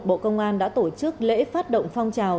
bộ công an đã tổ chức lễ phát động phong trào